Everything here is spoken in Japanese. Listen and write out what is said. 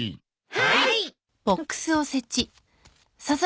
はい。